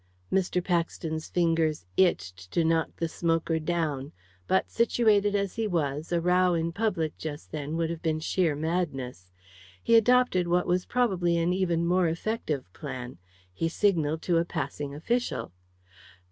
Mr. Paxton's fingers itched to knock the smoker down. But situated as he was, a row in public just then would have been sheer madness. He adopted what was probably an even more effective plan. He signalled to a passing official.